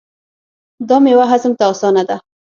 دا میوه هضم ته اسانه ده.